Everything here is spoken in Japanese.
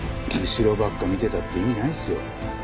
後ろばっか見てたって意味ないですよ。